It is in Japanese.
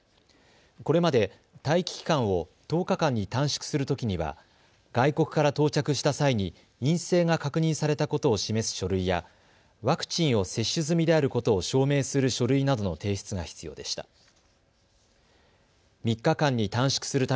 これまで待機期間を１０日間に短縮するときには外国から到着した際に陰性が確認されたことを示す書類やワクチンを接種済みであることを証明する書類などの提出が必要でした。